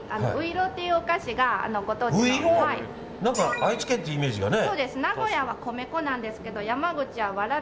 愛知県っていうイメージがね。